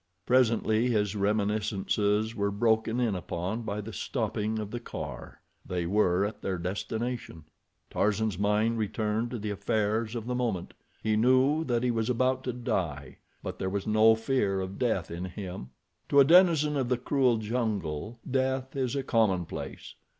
Presently his reminiscences were broken in upon by the stopping of the car—they were at their destination. Tarzan's mind returned to the affairs of the moment. He knew that he was about to die, but there was no fear of death in him. To a denizen of the cruel jungle death is a commonplace.